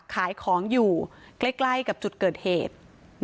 ขายของอยู่ใกล้กับจุดเกิดเหตุ